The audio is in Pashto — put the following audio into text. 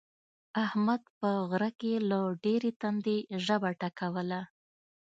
احمد په غره کې له ډېرې تندې ژبه ټکوله.